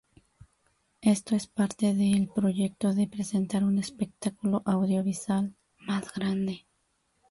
Esto es parte de el proyecto de presentar un espectáculo audiovisual más grande.